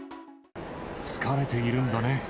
疲れているんだね。